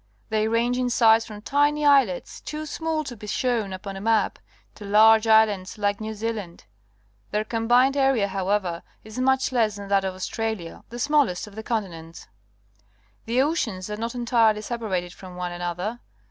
They range in size from tiny islets, too small to be shown upon a map, to large islands like Nero Zealand. Their combined area, however, is much less than that of Australia, the smallest of the continents. The oceans are not entirely separated from one another.